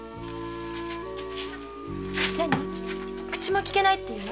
口もきけないっていうの！